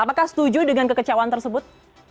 apakah setuju dengan kekecewaan tersebut